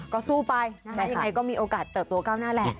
ก็สู้ไปและยังไงก็มีโอกาสเติบโตก้าวหน้าแหละ